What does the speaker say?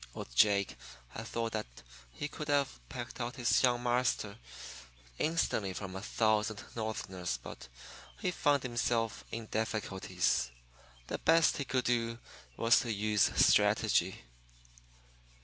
Old Jake had thought that he could have picked out his young master instantly from a thousand Northerners; but he found himself in difficulties. The best he could do was to use strategy.